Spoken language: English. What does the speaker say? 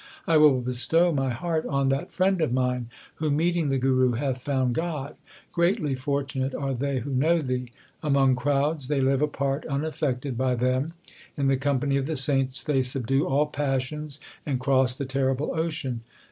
I will bestow my heart on that friend of mine who meeting the Guru hath found God. Greatly fortunate are they who know Thee ; Among crowds they live apart unaffected by them ; In the company of the saints they subdue all passions and cross the terrible ocean.